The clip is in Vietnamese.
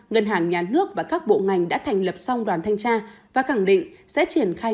ngân hàng nhà nước và các bộ ngành đã thành lập song đoàn thanh tra và khẳng định sẽ triển khai